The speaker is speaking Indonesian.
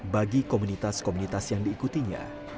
bagi komunitas komunitas yang diikutinya